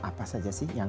apa saja sih yang